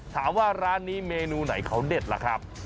ร้านนี้เมนูไหนเขาเด็ดล่ะครับ